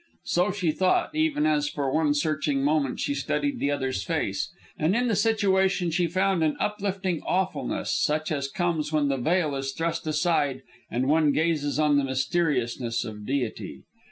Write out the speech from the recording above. So she thought, even as for one searching moment she studied the other's face. And in the situation she found an uplifting awfulness, such as comes when the veil is thrust aside and one gazes on the mysteriousness of Deity.